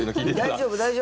大丈夫大丈夫。